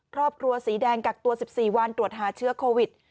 ครอบครัวสีแดงกักตัวสิบสี่วันตรวจหาเชื้อโควิด